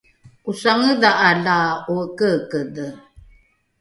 ’osangedha’a la ’oekeekedhe